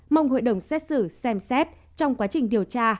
mong hội đồng xét xử xem xét trong quá trình điều tra